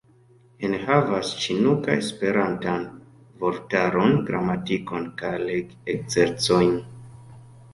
Enhavas ĉinuka-esperantan vortaron, gramatikon kaj leg-ekzercojn.